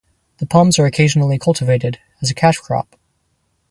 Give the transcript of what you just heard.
The palms are occasionally cultivated as a cash crop.